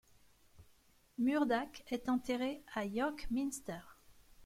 Murdac est enterré à York Minster.